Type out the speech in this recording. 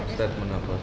start menambah gaisang